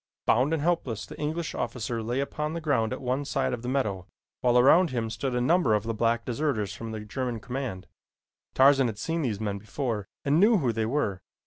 Bound and helpless, the English officer lay upon the ground at one side of the meadow, while around him stood a number of the black deserters from the German command. Tarzan had seen these men before and knew who they were.